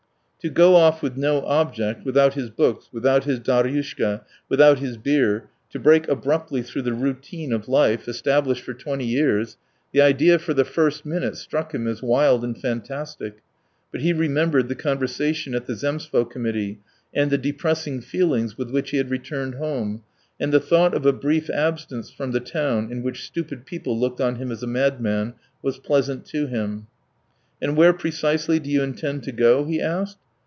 To go off with no object, without his books, without his Daryushka, without his beer, to break abruptly through the routine of life, established for twenty years the idea for the first minute struck him as wild and fantastic, but he remembered the conversation at the Zemstvo committee and the depressing feelings with which he had returned home, and the thought of a brief absence from the town in which stupid people looked on him as a madman was pleasant to him. "And where precisely do you intend to go?" he asked.